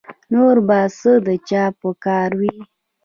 نور به څه د چا په کار وي